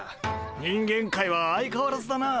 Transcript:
人間界は相変わらずだな。